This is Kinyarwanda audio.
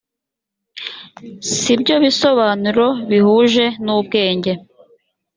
si byo bisobanuro bihuje n ubwenge